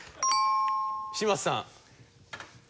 嶋佐さん。